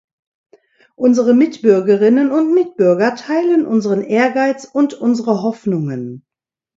Unsere Mitbürgerinnen und Mitbürger teilen unseren Ehrgeiz und unsere Hoffnungen.